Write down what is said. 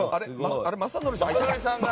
あれ、雅紀さん？